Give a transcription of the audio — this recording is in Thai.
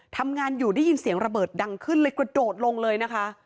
ทำงานอยู่ได้ยินเสียงระเบิดดังขึ้นเลยกระโดดลงเลยนะคะ